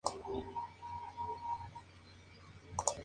Otro nombre importante es el de Edgar Allan Poe.